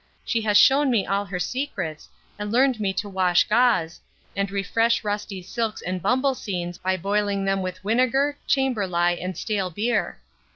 She has shewn me all her secrets, and learned me to wash gaze, and refrash rusty silks and bumbeseens, by boiling them with winegar, chamberlye, and stale beer.